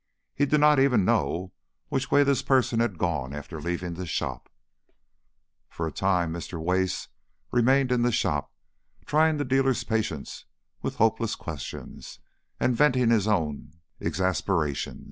He did not even know which way this person had gone after leaving the shop. For a time Mr. Wace remained in the shop, trying the dealer's patience with hopeless questions, venting his own exasperation.